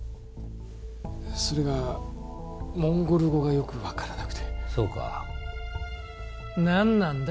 それがモンゴル語がよく分からなくてそうか何なんだ？